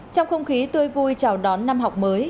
trong không khí tươi vui chào đón năm học mới